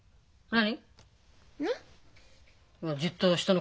何？